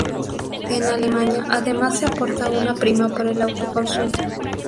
En Alemania, además se aporta una prima por el autoconsumo.